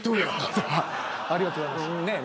ありがとうございます。